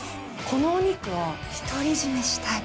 このお肉は独り占めしたい。